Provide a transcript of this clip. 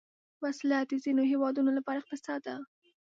وسله د ځینو هیوادونو لپاره اقتصاد ده